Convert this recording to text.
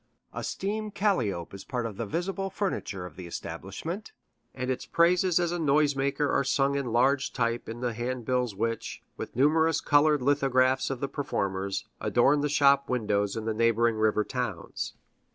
A steam calliope is part of the visible furniture of the establishment, and its praises as a noise maker are sung in large type in the handbills which, with numerous colored lithographs of the performers, adorn the shop windows in the neighboring river towns.